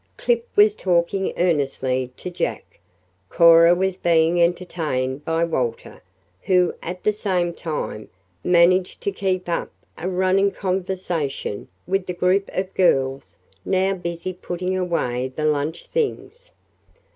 Clip was talking earnestly to Jack, Cora was being entertained by Walter, who, at the same time, managed to keep up a running conversation with the group of girls now busy putting away the lunch things.